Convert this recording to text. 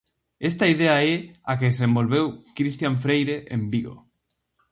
Esta idea é a que desenvolveu Cristian Freire en Vigo.